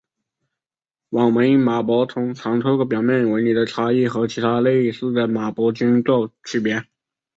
网纹马勃通常透过表面纹理的差异可和其他类似的马勃菌作区别。